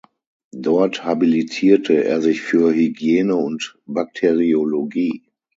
Dort habilitierte er sich für Hygiene und Bakteriologie.